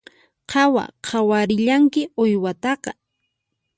Qhawa qhawarillanki uywataqa